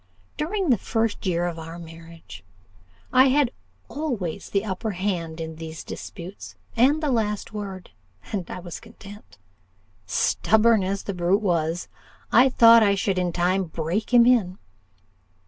During the first year of our marriage, I had always the upper hand in these disputes, and the last word; and I was content. Stubborn as the brute was, I thought I should in time break him in.